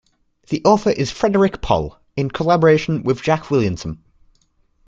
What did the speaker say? The author is Frederik Pohl, in collaboration with Jack Williamson.